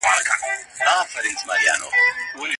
ماشومانو ته د درملو اندازه څنګه ټاکل کیږي؟